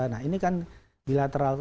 nah ini kan bilateral